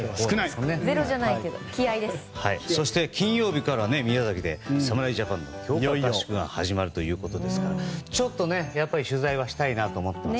そして金曜日から宮崎で侍ジャパンの強化合宿が始まるということですからちょっとね、やっぱり取材はしたいなと思ってます。